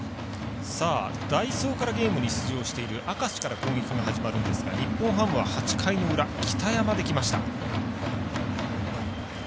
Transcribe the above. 代走からゲームに出場している明石から攻撃が始まるんですが日本ハムは、８回の裏北山できました。